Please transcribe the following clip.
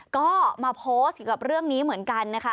ก็มาโพสต์เกี่ยวกับเรื่องนี้เหมือนกันนะคะ